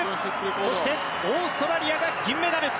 そしてオーストラリアが銀メダル。